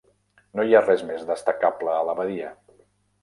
No hi res més destacable a la badia.